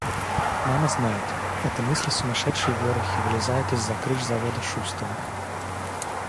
Мама знает — это мысли сумасшедшей ворохи вылезают из-за крыш завода Шустова.